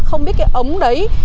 không biết cái ống đấy